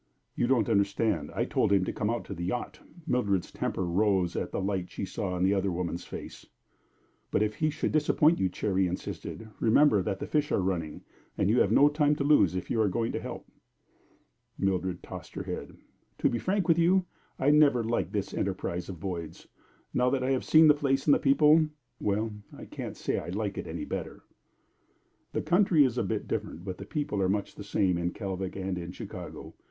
"You don't understand. I told him to come out to the yacht!" Mildred's temper rose at the light she saw in the other woman's face. "But if he should disappoint you," Cherry insisted, "remember that the fish are running, and you have no time to lose if you are going to help." Mildred tossed her head. "To be frank with you, I never liked this enterprise of Boyd's. Now that I have seen the place and the people well, I can't say that I like it better." "The country is a bit different, but the people are much the same in Kalvik and in Chicago.